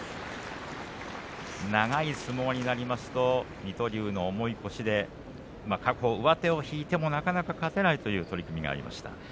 長い相撲になりますと水戸龍の重い腰で過去上手を引いてもなかなか勝てないという相撲がありました。